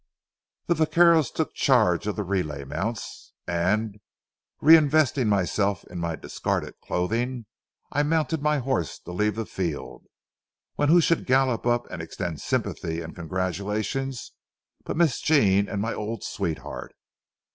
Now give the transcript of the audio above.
The vaqueros took charge of the relay mounts, and, reinvesting myself in my discarded clothing, I mounted my horse to leave the field, when who should gallop up and extend sympathy and congratulations but Miss Jean and my old sweetheart.